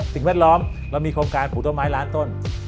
แวดล้อมเรามีโครงการปลูกต้นไม้ล้านต้น